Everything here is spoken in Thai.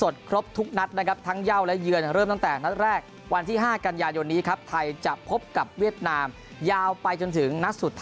ไทยอย่าได้ยังไงก็ได้ต้อง